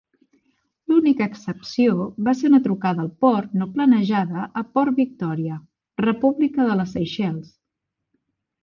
L'única excepció va ser una trucada al port no planejada a Port Victòria, República de les Seychelles.